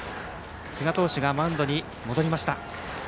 寿賀投手がマウンドに戻りました。